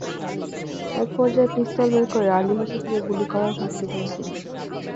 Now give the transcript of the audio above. একপর্যায়ে পিস্তল বের করে আলী হোসেনকে গুলি করার হুমকি দেন তিনি।